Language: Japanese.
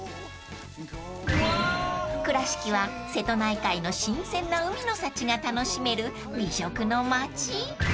［倉敷は瀬戸内海の新鮮な海の幸が楽しめる美食の街］